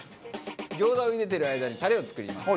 餃子を茹でてる間にタレを作ります。